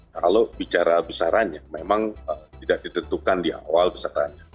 kalau bicara besarannya memang tidak ditentukan di awal besarannya